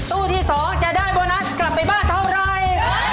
ตู้ที่๒จะได้โบนัสกลับไปบ้านเท่าไร